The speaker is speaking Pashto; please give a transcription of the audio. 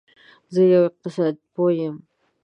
زه یو اقتصاد پوه یم